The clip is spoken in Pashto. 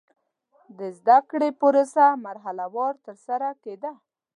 د زده کړې پروسه مرحله وار ترسره کېده.